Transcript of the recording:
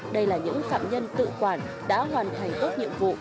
đây là những phạm nhân tự quản đã hoàn thành tốt nhiệm vụ